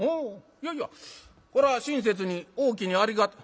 いやいやこれは親切におおきにありが。